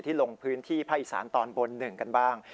ที่ลงพื้นที่พระอีสานตอนบนหนึ่งกันบ้าง